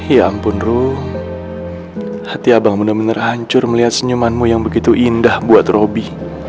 ya ampun ru hati abang bener bener hancur melihat senyumanmu yang begitu indah buat robby